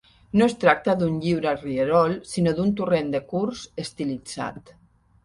No es tracta d'un lliure rierol sinó d'un torrent de curs estilitzat.